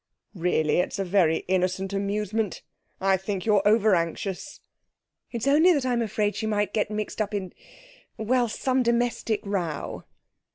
'Really, it's a very innocent amusement. I think you're overanxious.' 'It's only that I'm afraid she might get mixed up in well, some domestic row.'